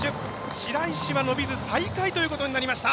白石は伸びず最下位ということになりました。